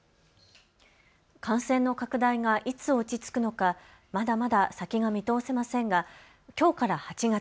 感染の拡大がいつ落ちつくのかまだまだ先が見通せませんがきょうから８月。